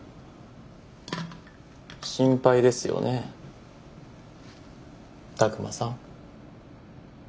心配ですよね拓真さん？